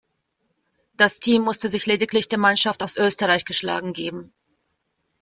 Das Team musste sich lediglich der Mannschaft aus Österreich geschlagen geben.